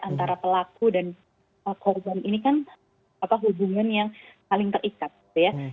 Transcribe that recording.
antara pelaku dan korban ini kan hubungan yang paling terikat gitu ya